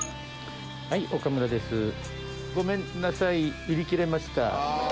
はい岡村です。